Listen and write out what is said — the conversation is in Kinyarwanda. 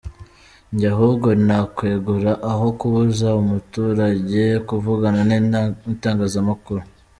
Njye ahubwo nakwegura aho kubuza umuturage kuvugana n’ itangazamakuru.